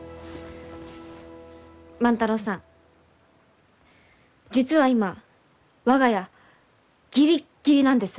万太郎さん実は今我が家ギリッギリなんです。